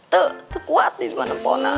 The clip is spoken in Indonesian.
teh teh kuat nih mana mana